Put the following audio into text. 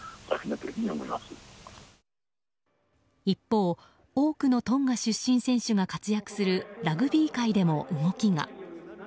一方、多くのトンガ出身選手が活躍するラグビー界でも動きが。